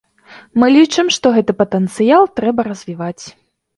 Мы лічым, што гэты патэнцыял трэба развіваць.